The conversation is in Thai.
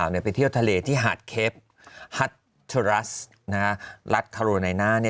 ก็ลูกสาวไปเที่ยวทะเลที่หาดเค็ปหัดทรัสรัฐคารณายนา